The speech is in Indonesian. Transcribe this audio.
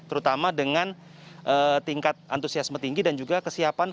terutama dengan tingkat antusiasme tinggi dan juga kesiapan